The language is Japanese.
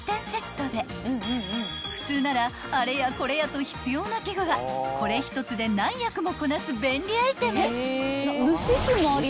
［普通ならあれやこれやと必要な器具がこれ１つで何役もこなす便利アイテム］